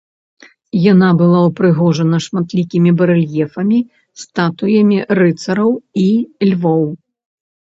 Яна была ўпрыгожана шматлікімі барэльефамі, статуямі рыцараў і львоў.